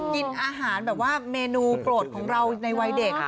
กินอาหารแบบว่าเมนูโปรดของเราในวัยเด็ก